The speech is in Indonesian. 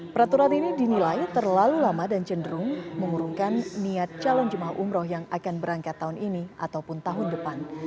peraturan ini dinilai terlalu lama dan cenderung mengurungkan niat calon jemaah umroh yang akan berangkat tahun ini ataupun tahun depan